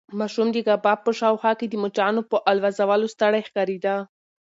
ماشوم د کباب په شاوخوا کې د مچانو په الوزولو ستړی ښکارېده.